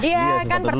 iya kan pertama